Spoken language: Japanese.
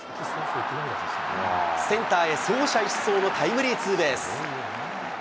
センターへ走者一掃のタイムリーツーベース。